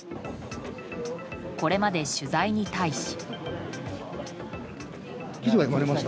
これまで取材に対し。